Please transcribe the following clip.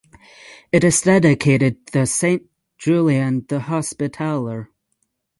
It is dedicated the St Julian the Hospitaller.